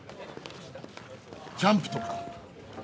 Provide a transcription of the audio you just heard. キャンプとか。